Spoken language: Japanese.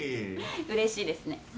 うれしいですね。